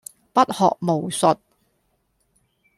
不學無術